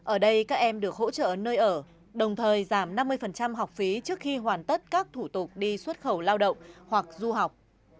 ở đây các em được hỗ trợ nơi ở đồng thời giảm năm mươi học phí trước khi hoàn tất các thủ tục đi xuất khẩu lao động hoặc du học